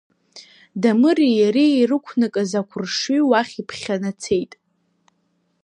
Дамыри иареи ирықәнакыз ақәыршҩы уахь иԥхьанацеит.